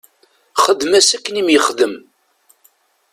Xdem-as akken i m-yexdem.